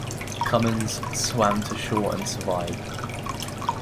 Cummins swam to shore and survived.